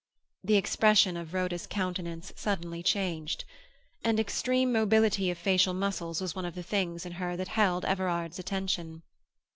The expression of Rhoda's countenance suddenly changed. An extreme mobility of facial muscles was one of the things in her that held Everard's attention.